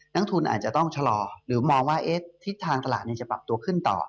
นักทุนอาจจะต้องชะลอหรือมองว่าทิศทางตลาดจะปรับตัวขึ้นต่อ